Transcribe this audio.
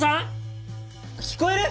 聞こえる？